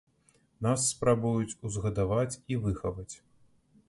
Нас спрабуюць узгадаваць і выхаваць.